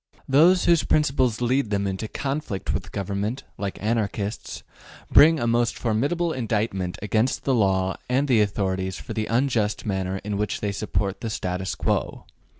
Those whose principles lead them into conflict with government, like Anarchists, bring a most formidable indictment against the law and the authorities for the unjust manner in which they support the status quo.